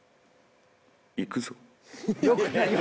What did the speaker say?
行くぞ。